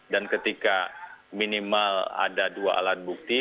dan ketika minimal ada dua alat bukti